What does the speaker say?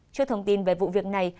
trước thông tin về vụ việc này